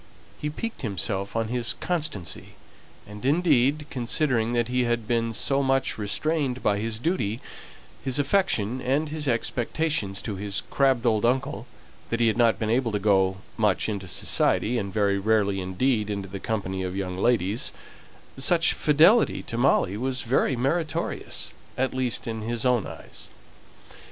He piqued himself on his constancy; and indeed, considering that he had been so much restrained by his duty, his affection, and his expectations to his crabbed old uncle, that he had not been able to go much into society, and very rarely indeed into the company of young ladies, such fidelity to Molly was very meritorious, at least in his own eyes.